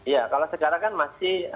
ya kalau sekarang kan masih